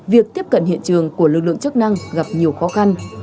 việc tiếp cận hiện trường của lực lượng chức năng gặp nhiều khó khăn